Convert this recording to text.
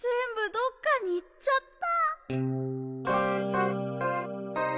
どっかにいっちゃった。